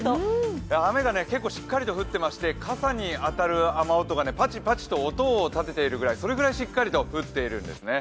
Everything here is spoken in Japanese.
雨が結構しっかりと降っていまして、傘に当たる雨音がパチパチと音を立てているくらい、それくらいしっかり降ってるんですね。